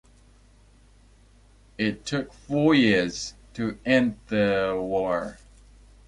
It took four years to end the war.